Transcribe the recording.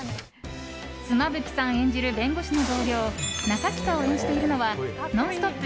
妻夫木さん演じる弁護士の同僚中北を演じているのは「ノンストップ！」